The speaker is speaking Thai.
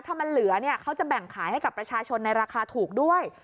ถ้ามันเหลือเนี่ยเขาจะแบ่งขายให้กับประชาชนในราคาถูกด้วย